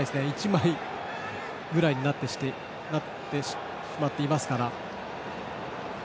１枚ぐらいになってしまっていますから。